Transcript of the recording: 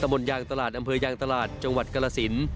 บนยางตลาดอำเภอยางตลาดจังหวัดกรสิน